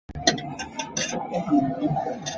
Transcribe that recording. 胡晋臣肯定朱熹批评林栗。